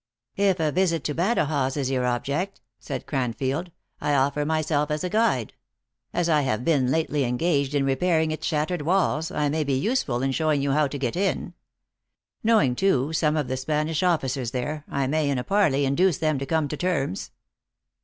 " If a visit to Badajoz is your object," said Cran field, " I offer myself as a guide. As I have been lately engaged in repairing its shattered walls, I may be useful in showing you how to get in. Knowing, too, some of the Spanish officers there, I may in a par ley induce them to come to terms."